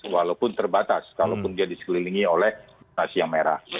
walaupun terbatas kalaupun dia dikelilingi oleh nasi yang merah